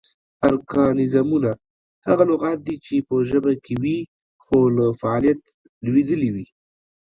ارکانیزمونه: هغه لغات دي چې پۀ ژبه کې وي خو لۀ فعالیت لویدلي وي